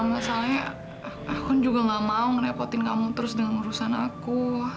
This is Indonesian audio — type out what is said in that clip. masalahnya akun juga gak mau ngerepotin kamu terus dengan urusan aku